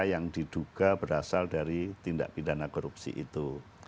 yang diduga berasal dari tindak pidana korupsi itu